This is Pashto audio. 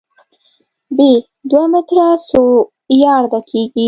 ب: دوه متره څو یارډه کېږي؟